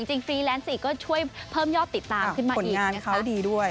จริงฟรีแลนซ์อีกก็ช่วยเพิ่มยอดติดตามขึ้นมาอีกผลงานเขาดีด้วย